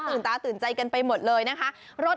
คือเพิ่มช็อต